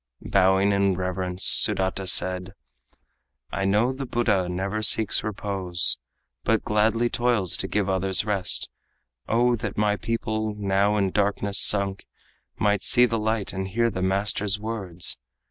Bowing in reverence, Sudata said: "I know the Buddha never seeks repose, But gladly toils to give to others rest. O that my people, now in darkness sunk, Might see the light and hear the master's words!